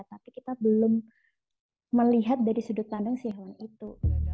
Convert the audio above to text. tapi kita belum melihat dari sudut pandang si hewan itu